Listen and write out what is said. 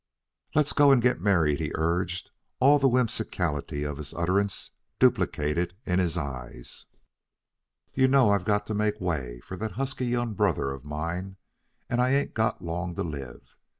"Let's go and get married," he urged, all the whimsicality of his utterance duplicated in his eyes. "You know I've got to make way for that husky young brother of mine, and I ain't got long to live."